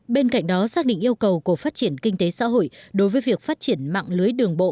bên cạnh đó xác định yêu cầu của phát triển kinh tế xã hội đối với việc phát triển mạng lưới đường bộ